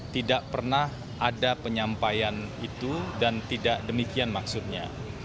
tidak pernah ada penyampaian itu dan tidak demikian maksudnya